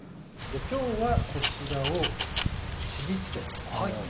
今日はこちらをちぎってこのように。